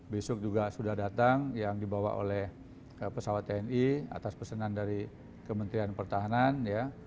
besok juga sudah datang yang dibawa oleh pesawat tni atas pesanan dari kementerian pertahanan